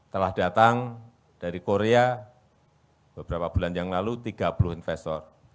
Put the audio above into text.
telah datang dari korea beberapa bulan yang lalu tiga puluh investor